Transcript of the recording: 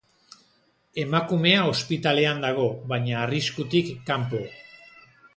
Emakumea ospitalean dago, baina arriskutik kanpo.